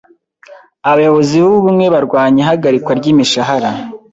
Abayobozi b’ubumwe barwanya ihagarikwa ry’imishahara.